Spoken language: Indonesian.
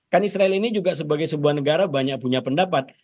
kan israel ini juga sebagai sebuah negara banyak punya pendapat